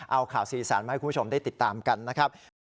เอาข่าวสีสันมาให้คุณผู้ชมได้ติดตามกันนะครับ